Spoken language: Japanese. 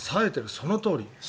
そのとおり。